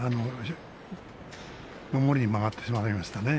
無理に曲がってしまいましたね。